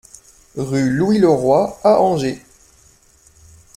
RUE LOUIS LEROY à Angers